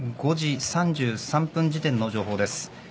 ５時３３分時点の情報です。